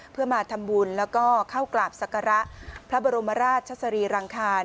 เพื่อมาทำบุญแล้วก็เข้ากราบศักระพระบรมราชสรีรังคาร